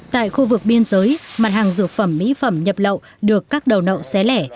tại khu vực biên giới mặt hàng dược phẩm mỹ phẩm nhập lậu được các đầu nậu xé lẻ